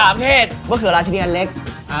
มะเขือราชนิยันเล็ก